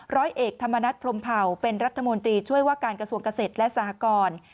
ร้อยเอกธรรมนัฐพรมเผาเป็นรัฐมนตรีช่วยว่าการกระทรวงเกษตรและสหกร